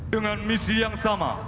dengan misi yang sama